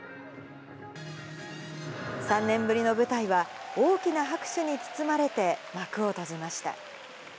３年ぶりの舞台は、大きな拍手に包まれて、幕を閉じました。